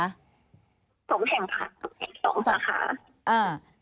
๒แห่งค่ะ